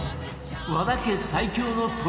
和田家最強の鶏料理